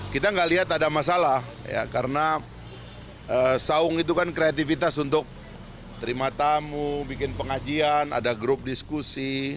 kita nggak lihat ada masalah karena saung itu kan kreativitas untuk terima tamu bikin pengajian ada grup diskusi